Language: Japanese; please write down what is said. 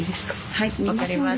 はい分かりました。